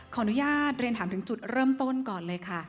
ขออนุญาตเรียนถามถึงจุดเริ่มต้นก่อนเลยค่ะ